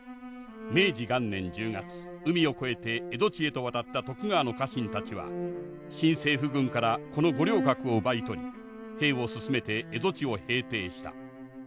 明治元年１０月海を越えて蝦夷地へと渡った徳川の家臣たちは新政府軍からこの五稜郭を奪い取り兵を進めて蝦夷地を平定した。